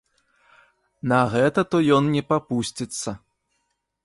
На гэта то ён не папусціцца.